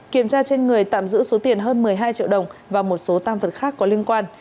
kiểm tra trên người tạm giữ số tiền hơn một mươi hai triệu đồng và một số tam vật khác có liên quan